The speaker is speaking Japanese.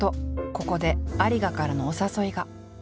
ここで有賀からのお誘いが。